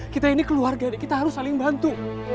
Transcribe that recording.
kita ini keluarga kita harus saling bantu